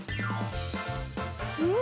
うん！